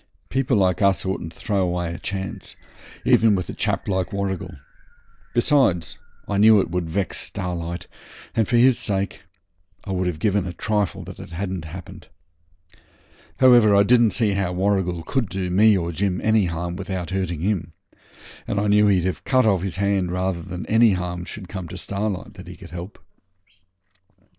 People like us oughtn't to throw away a chance, even with a chap like Warrigal. Besides, I knew it would vex Starlight, and for his sake I would have given a trifle it hadn't happened. However, I didn't see how Warrigal could do me or Jim any harm without hurting him, and I knew he'd have cut off his hand rather than any harm should come to Starlight that he could help.